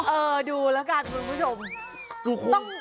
เออดูละกันคุณผู้ชม